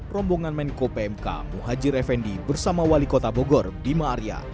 rombongan menko pmk muhajir effendi bersama wali kota bogor bima arya